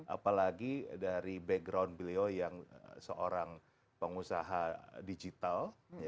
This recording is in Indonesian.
apalagi dari background beliau yang seorang pengusaha digital